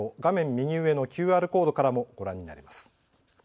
右上のＱＲコードからもご覧になれます。